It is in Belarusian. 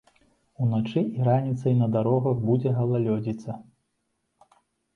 Уначы і раніцай на дарогах будзе галалёдзіца.